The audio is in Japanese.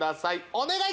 お願い！